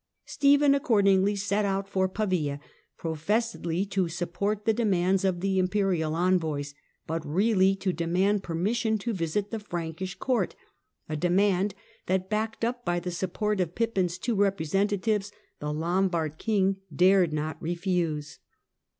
tephen accordingly set out for Pavia, professedly to pport the demands of the Imperial envoys, but really demand permission to visit the Frankish Court, a 3mand that, backed by the support of Pippin's two ;presentatives, the Lombard king dared not refuse.